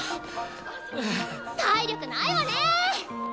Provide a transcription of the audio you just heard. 体力ないわね。